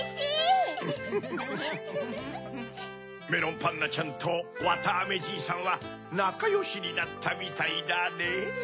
メロンパンナちゃんとわたあめじいさんはなかよしになったみたいだねぇ。